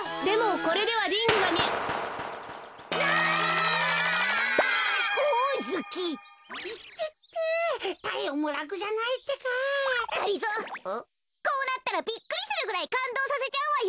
こうなったらびっくりするぐらいかんどうさせちゃうわよ。